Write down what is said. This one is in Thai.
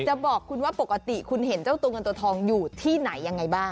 บอกคุณว่าปกติคุณเห็นเจ้าตัวเงินตัวทองอยู่ที่ไหนยังไงบ้าง